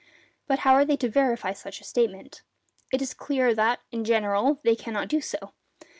But how are they to verify such a statement? It is clear that, in general, they cannot do so.